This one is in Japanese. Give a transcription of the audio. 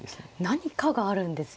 何かがあるんですね。